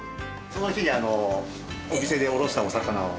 その日にお店でおろした魚を。